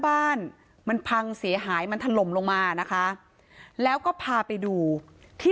บ้านมันพังเสียหายมันถล่มลงมานะคะแล้วก็พาไปดูที่